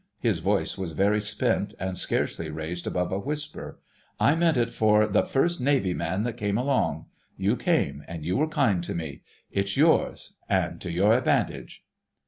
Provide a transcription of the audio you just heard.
His voice was very spent and scarcely raised above a whisper. "I meant it for the first Navy man that came along. You came, an' you were kind to me. It's yours—an' to your advantage...."